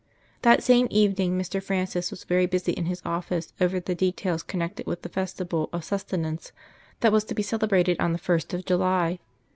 III That same evening Mr. Francis was very busy in his office over the details connected with the festival of Sustenance that was to be celebrated on the first of July.